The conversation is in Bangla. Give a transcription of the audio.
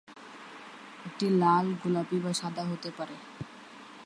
এটি লাল, গোলাপি বা সাদা হতে পারে।